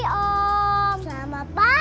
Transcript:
selamat pagi om selamat pagi om